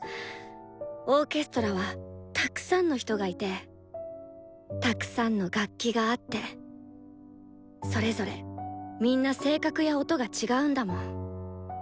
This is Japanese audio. オーケストラはたくさんの人がいてたくさんの楽器があってそれぞれみんな性格や音が違うんだもん。